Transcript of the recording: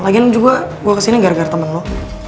lagian juga gue kesini gara gara temen lo